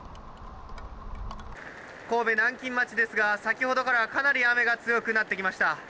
神戸・南京町ですが、先ほどからかなり雨が強くなってきました。